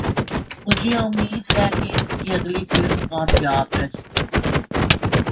مجھے امید ہے کہ ان کی اگلی فلم کامیاب رہی